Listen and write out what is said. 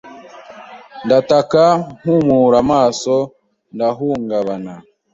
Ndataka mpumura amaso ndahungabana